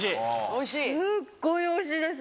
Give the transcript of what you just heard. おいしい？